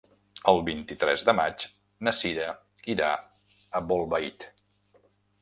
El vint-i-tres de maig na Cira irà a Bolbait.